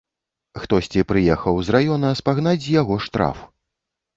Хтосьці прыехаў з раёна спагнаць з яго штраф.